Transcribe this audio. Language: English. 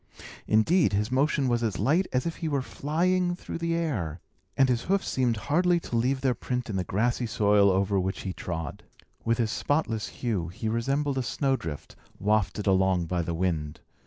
Indeed, his motion was as light as if he were flying through the air, and his hoofs seemed hardly to leave their print in the grassy soil over which he trod. With his spotless hue, he resembled a snowdrift, wafted along by the wind.